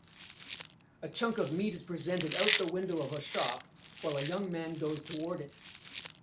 A chunk of meat is presented out the window of a shop while a young man goes toward it